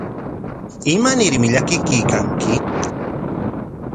¿Imanarmi llakikuykanki?